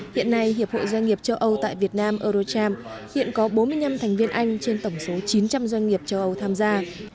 hiện nay hiệp hội doanh nghiệp châu âu tại việt nam eurocharm hiện có bốn mươi năm thành viên anh trên tổng số chín trăm linh doanh nghiệp châu âu tham gia